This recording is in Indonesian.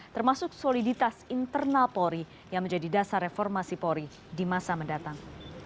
termasuk soliditas internal polri yang menjadi dasar reformasi polri di masa mendatang